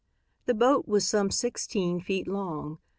The boat was some sixteen feet long.